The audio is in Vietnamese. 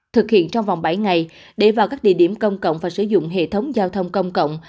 thực hiện trong vòng bảy ngày để vào các địa điểm công cộng và sử dụng hệ thống giao thông công cộng